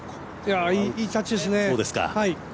いいタッチですね。